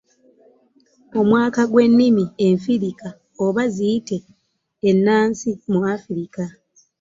Omwaka gw'ennimi Enfirika oba ziyite ennansi mu Afrika.